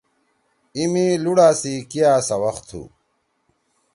ای می لُوڑا سی کیا سوق تُھو۔